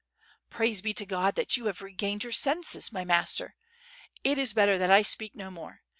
"Praise be to God that you have regained your senses .... my master. It is better that I speak no more.